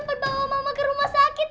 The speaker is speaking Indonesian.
tante bawa mama ke rumah sakit